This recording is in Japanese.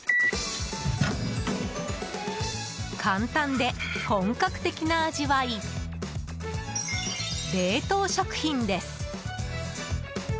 簡単で本格的な味わい冷凍食品です。